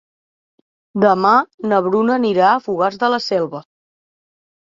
Demà na Bruna anirà a Fogars de la Selva.